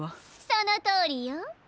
そのとおりよ。